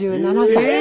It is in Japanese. ８７歳で。